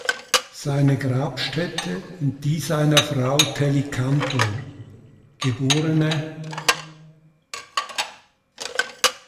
Seine Grabstätte und die seiner Frau Telly Cantor, geb.